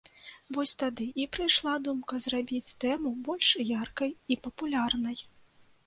Вось тады і прыйшла думка зрабіць тэму больш яркай і папулярнай.